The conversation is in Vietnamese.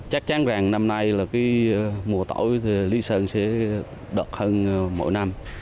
chắc chắn rằng năm nay mùa tỏi lý sơn sẽ đợt hơn mỗi năm